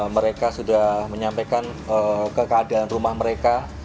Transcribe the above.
mereka sudah menyampaikan ke keadaan rumah mereka